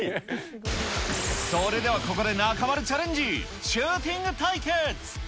それではここで中丸チャレンジ、シューティング対決。